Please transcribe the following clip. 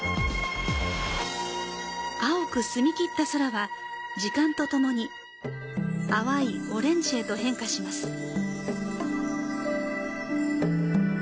青く澄みきった空は、時間とともに淡いオレンジへと変化します。